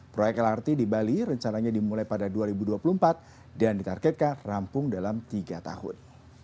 proyek lrt di bali rencananya dimulai pada dua ribu dua puluh empat dan ditargetkan rampung dalam tiga tahun